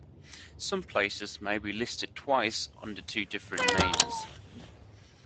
Some places may be listed twice, under two different names.